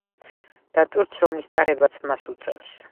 და ტვირთს, რომლის ტარებაც მას უწევს.